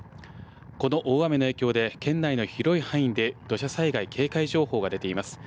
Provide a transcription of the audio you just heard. この大雨の影響で、県内の広い範囲で土砂災害警戒情報が出ています。